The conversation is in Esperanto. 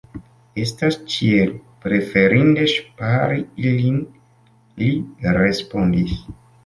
Estas ĉiel preferinde ŝpari ilin, li respondis.